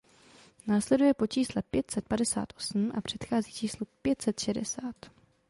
Následuje po čísle pět set padesát osm a předchází číslu pět set šedesát.